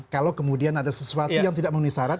kalau kemudian ada sesuatu yang tidak menggunakan saran